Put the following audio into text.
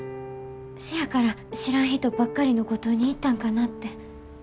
せやから知らん人ばっかりの五島に行ったんかなって。